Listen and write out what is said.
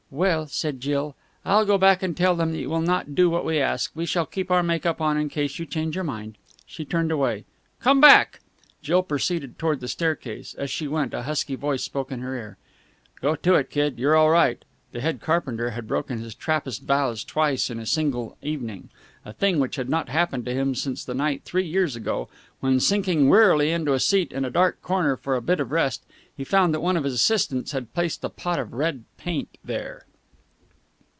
"Well," said Jill, "I'll go back and tell them that you will not do what we ask. We will keep our make up on in case you change your mind." She turned away. "Come back!" Jill proceeded toward the staircase. As she went, a husky voice spoke in her ear. "Go to it, kid! You're all right!" The head carpenter had broken his Trappist vows twice in a single evening, a thing which had not happened to him since the night three years ago, when, sinking wearily into a seat in a dark corner for a bit of a rest, he found that one of his assistants had placed a pot of red paint there.